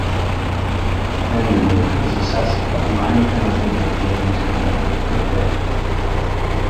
Vandermeer was assessed a minor penalty and a game misconduct for the hit.